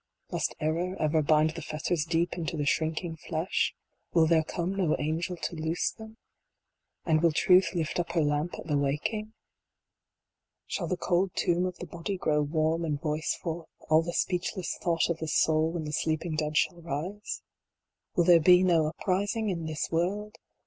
Must Error ever bind the fetters deep into the shrinking flesh ? Will there come no angel to loose them ? And will Truth lift up her lamp at the waking ? Shall the cold tomb of the body grow warm and voice forth all the speechless thought of the soul when the sleeping dead shall rise ? Will there be no uprising in this world